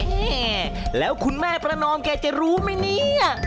แม่แล้วคุณแม่ประนอมแกจะรู้ไหมเนี่ย